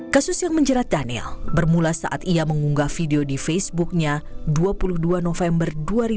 kasus yang menjerat daniel bermula saat ia mengunggah video di facebooknya dua puluh dua november dua ribu dua puluh